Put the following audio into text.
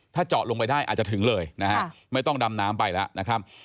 ถ้าเจาะลงไปได้อาจจะถึงเลยนะฮะไม่ต้องดำน้ำไปแล้วนะครับ